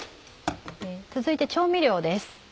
続いて調味料です。